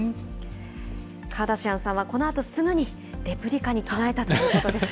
カーダシアンさんは、このあとすぐに、レプリカに着替えたということです。